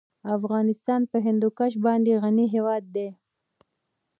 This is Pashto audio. افغانستان په هندوکش باندې غني هېواد دی.